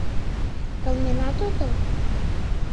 — Кылменат отыл?